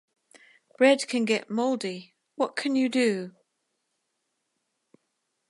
Bread can get moldy. What can you do?